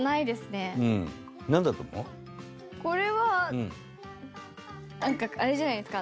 大概なんかあれじゃないですか？